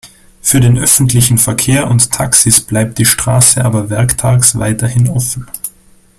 Für den öffentlichen Verkehr und Taxis bleibt die Straße aber werktags weiterhin offen.